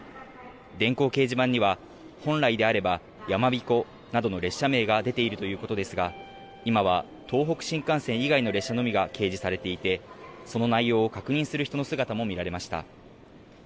電光掲示板には本来であれば、やまびこなどの列車名が出ているということですが今は東北新幹線以外の列車のみが掲示されていてその内容を確認する人の姿も見られました。